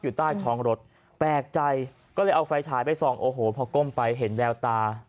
ใต้ท้องรถแปลกใจก็เลยเอาไฟฉายไปส่องโอ้โหพอก้มไปเห็นแววตา